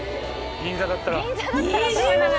銀座だったら。